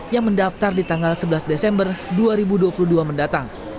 yang mendaftar di tanggal sebelas desember dua ribu dua puluh dua mendatang